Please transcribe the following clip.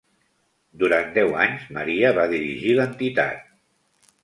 Durant deu anys, Maria va dirigir l'entitat.